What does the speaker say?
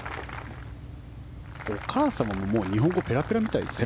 お母様も日本語ペラペラみたいですね。